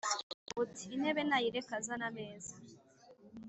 Uti: intebe nayireke azane ameza